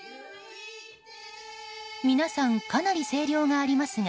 皆さん、かなり声量がありますが